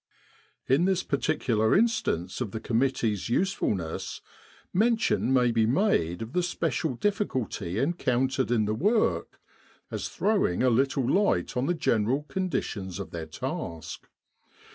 In this particular instance of the committee's use fulness, mention may be made of the special difficulty encountered in the work, as throwing a little light on the general conditions of their task.